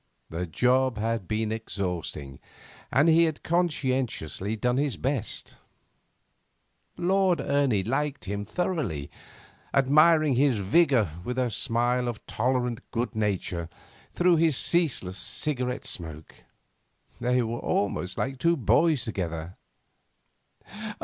The job had been exhausting, and he had conscientiously done his best. Lord Ernie liked him thoroughly, admiring his vigour with a smile of tolerant good nature through his ceaseless cigarette smoke. They were almost like two boys together.